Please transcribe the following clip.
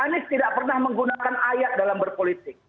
anies tidak pernah menggunakan ayat dalam berpolitik